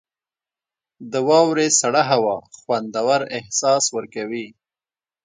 • د واورې سړه هوا خوندور احساس ورکوي.